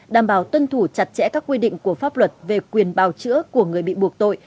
đảm bảo tuân thủ chặt chẽ các quy định của pháp luật về quyền bào chữa của người bị buộc tội